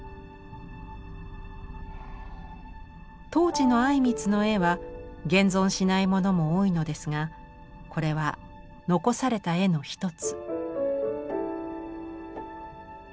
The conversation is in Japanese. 当時の靉光の絵は現存しないものも多いのですがこれは残された絵の一つ。